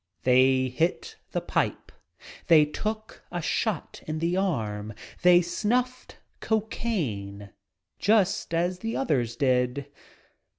They "hit the pipe," they "took a shot in the arm," they snuffed cocaine, just as the others did.